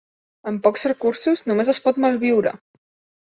Amb pocs recursos només es pot malviure.